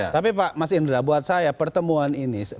tapi pak mas indra buat saya pertemuan ini